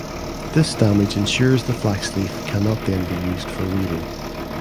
This damage ensures the flax leaf cannot then be used for weaving.